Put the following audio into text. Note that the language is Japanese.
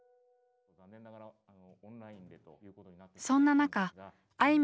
そんな中あ